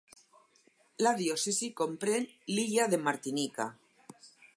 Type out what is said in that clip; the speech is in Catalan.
La diòcesi comprèn l'illa de Martinica.